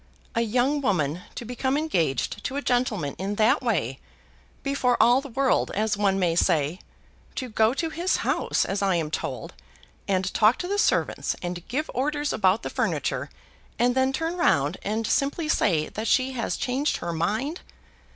A young woman to become engaged to a gentleman in that way, before all the world, as one may say; to go to his house, as I am told, and talk to the servants, and give orders about the furniture and then turn round and simply say that she has changed her mind!